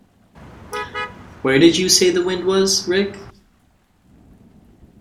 Where did you say the wind was, Rick?